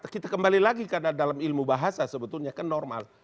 kita kembali lagi karena dalam ilmu bahasa sebetulnya kan normal